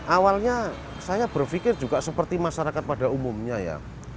awalnya saya berpikir juga seperti masyarakat pada umumnya ya